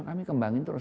kami kembangkan terus